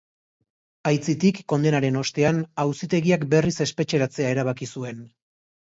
Aitzitik, kondenaren ostean, auzitegiak berriz espetxeratzea erabaki zuen.